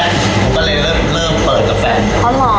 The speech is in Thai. ผมก็เลยเริ่มเริ่มเปิดกับแฟน